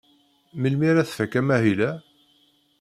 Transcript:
Melmi ara tfak amahil-a?